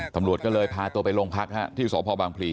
ตำรวจก็เลยพาตัวไปโรงพักที่สพบางพลี